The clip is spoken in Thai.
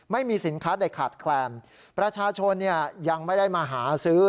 ไม่มีสินค้าใดขาดแคลนประชาชนยังไม่ได้มาหาซื้อ